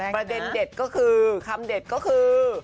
ประเด็นเด็ดก็คือคำเด็ดก็คือ